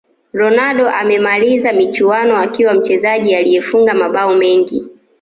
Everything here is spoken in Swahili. ronaldo amemaliza michuano akiwa mchezaji aliyefunga mabao mengi